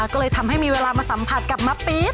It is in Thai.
ก็เลยทำให้มีเวลามาสัมผัสกับมะปี๊ด